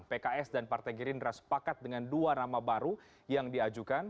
pks dan partai gerindra sepakat dengan dua nama baru yang diajukan